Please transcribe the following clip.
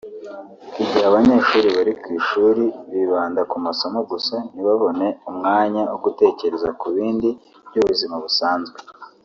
« Igihe abanyeshuri bari ku ishuri bibanda ku masomo gusa ntibabone umwanya wo gutekereza ku bibazo by’ubuzima busanzwe